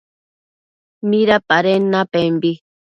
¿Midapaden napembi?